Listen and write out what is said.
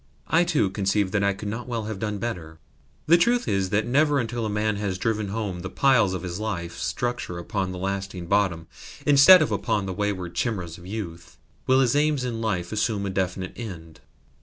"I, too, conceive that I could not well have done better. The truth is that never until a man has driven home the piles of his life's structure upon a lasting bottom, instead of upon the wayward chimeras of youth, will his aims in life assume a definite end."